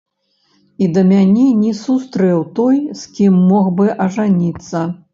І да мяне не сустрэў той, з кім мог бы ажаніцца.